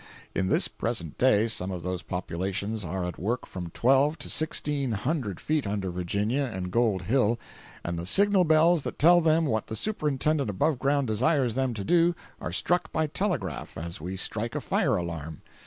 In this present day some of those populations are at work from twelve to sixteen hundred feet under Virginia and Gold Hill, and the signal bells that tell them what the superintendent above ground desires them to do are struck by telegraph as we strike a fire alarm.